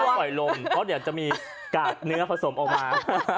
ปล่อยลมเพราะเดี๋ยวจะมีกากเนื้อผสมออกมา